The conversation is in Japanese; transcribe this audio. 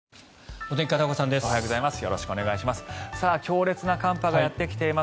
おはようございます。